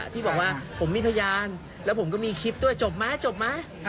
ที่บอกว่าผมมีพยานแล้วผมก็มีคลิปด้วยจบไหมจบไหม